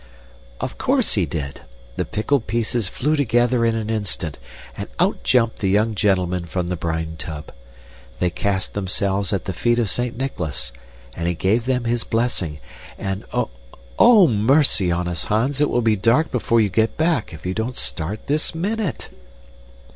"Of course he did. The pickled pieces flew together in an instant, and out jumped the young gentlemen from the brine tub. They cast themselves at the feet of Saint Nicholas, and he gave them his blessing, and oh! mercy on us, Hans, it will be dark before you get back if you don't start this minute!"